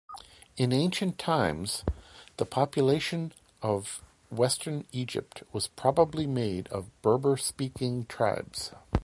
In ancient times, the population of western Egypt was probably made of Berber-speaking tribes.